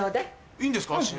いいんですか？